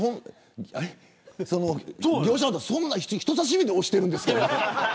そんな人さし指で押してるんですか。